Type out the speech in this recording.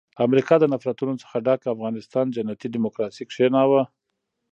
امریکا د نفرتونو څخه ډک افغانستان جنتي ډیموکراسي کښېناوه.